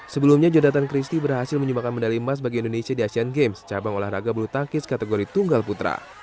sebelumnya jonathan christie berhasil menyumbangkan medali emas bagi indonesia di asean games cabang olahraga bulu tangkis kategori tunggal putra